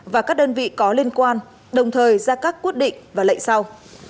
và các đơn vị có liên quan đồng thời ra các quyết định và lệnh sau